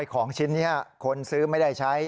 ของชิ้นนี้คนซื้อไม่ได้ใช้